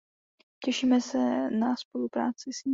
Těšíme se na spolupráci s ní.